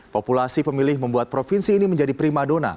populasi pemilih membuat provinsi ini menjadi prima dona